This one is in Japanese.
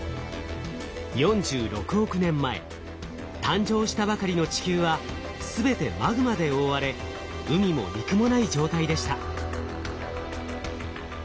誕生したばかりの地球は全てマグマで覆われ海も陸もない状態でした。